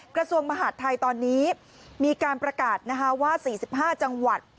กระทรวงมหาดไทยตอนนี้มีการประกาศนะฮะว่าสี่สิบห้าจังหวัด